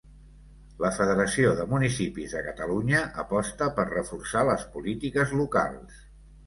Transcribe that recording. La Federació de Municipis de Catalunya aposta per reforçar les polítiques locals.